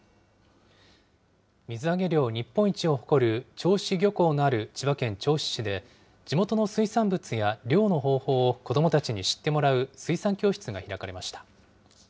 水揚げ量日本一を誇る銚子漁港のある千葉県銚子市で、地元の水産物や漁の方法を子どもたちに知ってもらう、水産教室が開かれました。